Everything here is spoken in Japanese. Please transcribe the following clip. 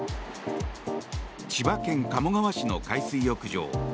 千葉県鴨川市の海水浴場。